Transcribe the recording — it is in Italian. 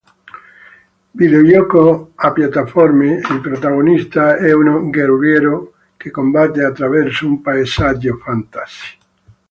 Videogioco a piattaforme, il protagonista è un guerriero che combatte attraverso un paesaggio fantasy.